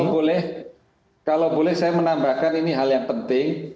boleh kalau boleh saya menambahkan ini hal yang penting